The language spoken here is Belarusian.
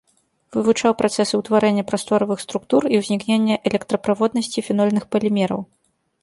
Вывучаў працэсы ўтварэння прасторавых структур і ўзнікнення электраправоднасці фенольных палімераў.